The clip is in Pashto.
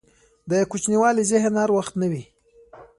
دکوچنیوالي ذهن هر وخت نه وي.